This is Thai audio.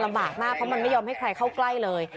ลำบากมากเพราะมันไม่ยอมให้ใครเข้าใกล้เลย